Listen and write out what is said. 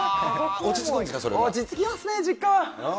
落ち着きますね、実家は。